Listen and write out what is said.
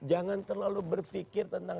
jangan terlalu berfikir tentang